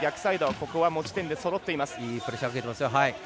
ここを持ち点でそろっています。